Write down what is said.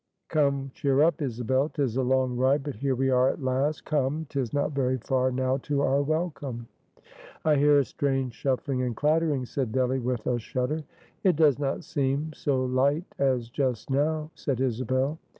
Come, cheer up, Isabel; 'tis a long ride, but here we are, at last. Come! 'Tis not very far now to our welcome." "I hear a strange shuffling and clattering," said Delly, with a shudder. "It does not seem so light as just now," said Isabel.